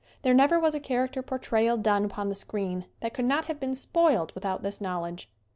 There never was a character portrayal done upon the screen that could not have been spoiled without this knowledge.